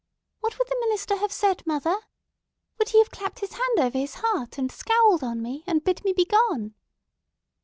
What would the minister have said, mother? Would he have clapped his hand over his heart, and scowled on me, and bid me begone?"